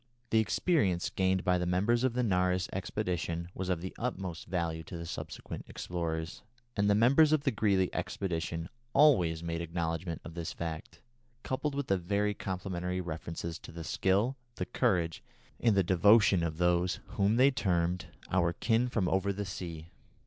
The experience gained by the members of the Nares expedition was of the utmost value to subsequent explorers, and the members of the Greely expedition always made acknowledgment of this fact, coupled with very complimentary references to the skill, the courage, and the devotion of those whom they termed "our kin from over the sea."